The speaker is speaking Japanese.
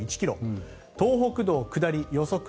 東北道下り予測